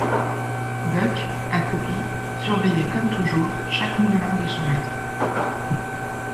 Buck, accroupi, surveillait comme toujours chaque mouvement de son maître.